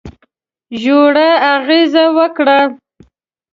ژوره اغېزه وکړه.